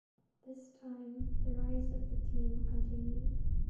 This time the rise of the team continued.